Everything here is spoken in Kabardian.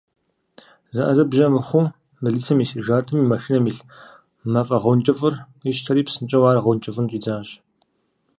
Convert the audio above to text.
ЗыӀэзыбжьэ мыхъуу, полицэм и сержантым и машинэм илъ мафӀэгъэункӀыфӀыр къищтэри, псынщӀэу ар гъэункӀыфӀын щӀидзащ.